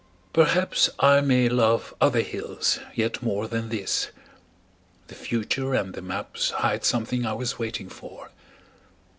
Perhaps I may love other hills yet more Than this: the future and the maps Hide something I was waiting for.